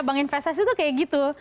bank investasi tuh kayak gitu